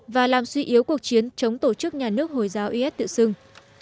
và làm suy yếu cuộc chiến chống tổ chức nhà nước hồi giáo is tự xưng